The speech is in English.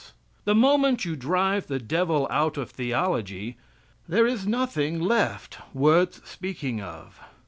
The moment you drive the devil out of theology, there is nothing left worth speaking of.